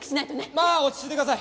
まあ落ち着いてください。